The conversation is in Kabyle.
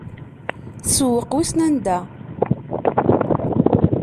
Tssewweq wissen anda.